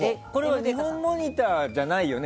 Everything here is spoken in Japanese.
ニホンモニターじゃないよね？